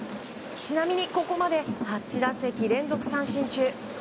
ちなみに、ここまで８打席連続三振中。